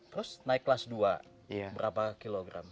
terus naik kelas dua berapa kilogram